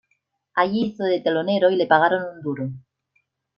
Allí hizo de telonero y le pagaron un duro.